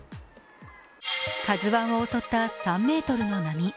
「ＫＡＺＵⅠ」を襲った３ｍの波。